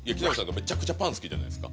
めちゃくちゃパン好きじゃないですか。